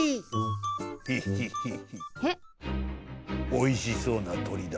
おいしそうなとりだ。